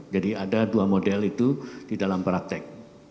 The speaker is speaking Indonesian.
jadi ada dua model itu di dalam praktek